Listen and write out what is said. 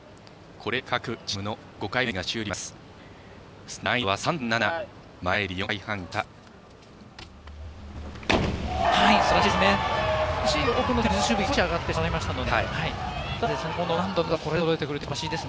これで各チームの５回目の演技が終了します。